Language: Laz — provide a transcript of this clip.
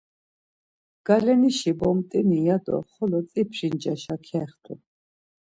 Galenişi bomt̆ini ya do xolo tzipri ncaşa kextu.